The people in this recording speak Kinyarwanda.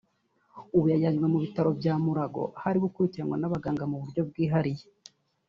ubu yajyanywe ku bitaro bya Mulago aho arimo gukurikiranwa n’abaganga mu buryo bwihariye